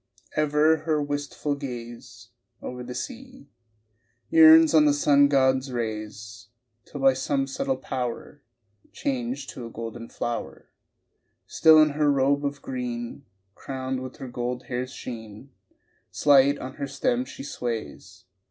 Ever her wistful gaze Over the sea Yearns on the sun god's rays Till by some subtle power Changed to a golden flower Still in her robe of green, Crowned with her gold hair's sheen Slight on her stem she sways